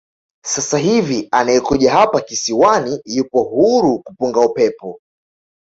Sasa hivi anayekuja hapa kisiwani yupo huru kupunga upepo